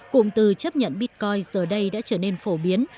cụm từ chấp nhận bitcoin giờ đây đã trở nên phổ biến